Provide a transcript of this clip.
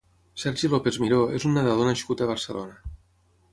Sergi López Miró és un nedador nascut a Barcelona.